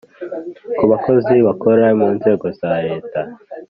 ku bakozi bakora mu nzego za reta